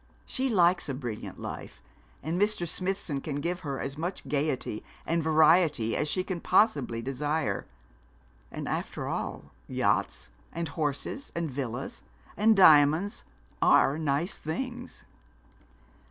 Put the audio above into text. She likes a brilliant life; and Mr. Smithson can give her as much gaiety and variety as she can possibly desire. And, after all, yachts, and horses, and villas, and diamonds are nice things.'